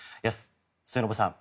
末延さん